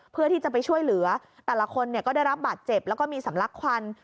เพื่อที่จะไปช่วยเหลือแต่ละคนก็ได้รับบาดเจ็บแล้วก็มีสำลักควัน